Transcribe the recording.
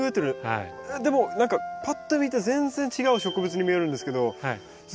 でも何かパッと見て全然違う植物に見えるんですけどすごいですね。